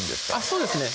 そうですね